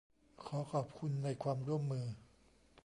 ขอขอบคุณในความร่วมมือ